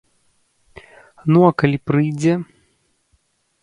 Ну, а калі прыйдзе?